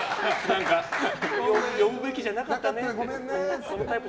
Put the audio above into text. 呼ぶべきじゃなかったねって。